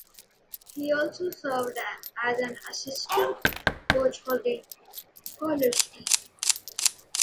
He also served as an assistant coach for the college team.